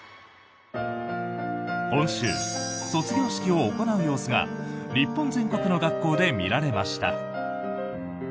今週、卒業式を行う様子が日本全国の学校で見られました。